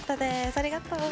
ありがとう。